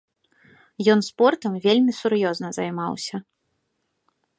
Ён спортам вельмі сур'ёзна займаўся.